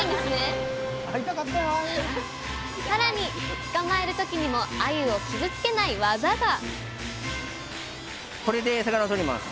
さらに捕まえる時にもあゆを傷つけないワザが！